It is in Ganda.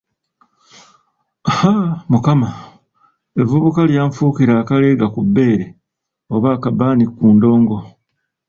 Haaa! Mukama, evvubuka lyanfuukira akaleega ku bbeere, oba akabaani ku ndongo.